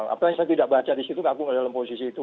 apalagi saya tidak baca di situ aku tidak dalam posisi itu